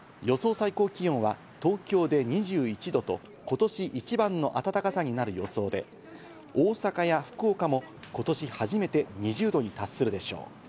最高気温は東京で２１度と、今年一番の暖かさになる予想で、大阪や福岡も今年初めて２０度に達するでしょう。